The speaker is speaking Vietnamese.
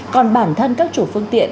còn bản thân các chủ phương tiện